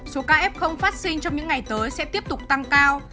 số ca f không phát sinh trong những ngày tới sẽ tiếp tục tăng cao